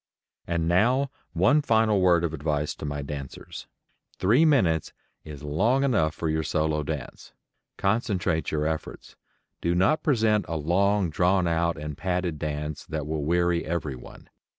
And now one final word of advice to my dancers: Three minutes is long enough for your solo dance. Concentrate your efforts. Do not present a long drawn out and padded dance that will weary everyone.